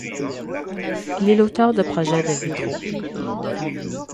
Il est l'auteur de projets de vitraux.